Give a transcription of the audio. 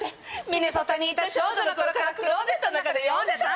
ミネソタにいた少女の頃からクローゼットの中で読んでた！